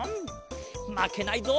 まけないぞ。